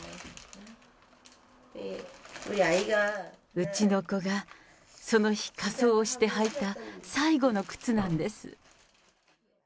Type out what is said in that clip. うちの子がその日、仮装をして履いた最後の靴なんです。